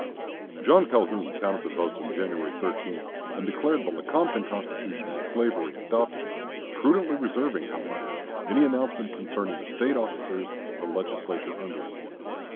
John Calhoun counted the votes on January 13 and declared the "Lecompton Constitution with slavery" adopted, prudently reserving, however, any announcement concerning the State officers or Legislature under it.